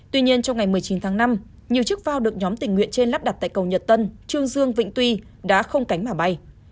tuy nhiên trong ngày một mươi chín tháng năm nhiều chiếc phao được nhóm tình nguyện trên lắp đặt tại cầu nhật tân trương dương vĩnh tuy đã không cánh mà bay